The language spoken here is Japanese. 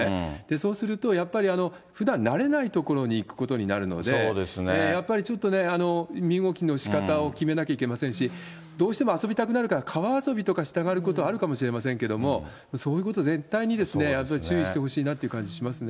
そうすると、やっぱりふだん、慣れない所に行くことになるので、やっぱりちょっとね、身動きのしかたを決めなきゃいけませんし、どうしても遊びたくなるから川遊びとかしたがることあるかもしれませんけども、そういうこと、絶対に注意してほしいなという感じしますね。